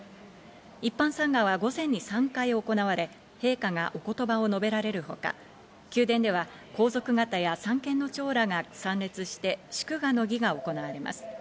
一般参賀は午前に３回行われ、陛下がお言葉を述べられるほか、宮殿では皇族方や三権の長らが参列して、祝賀の儀が行われます。